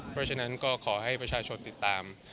เพราะฉะนั้นก็ขอให้ประชาชนติดตาม